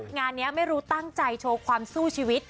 งานนี้ไม่รู้ตั้งใจโชว์ความสู้ชีวิต